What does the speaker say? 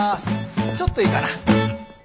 ちょっといいかな？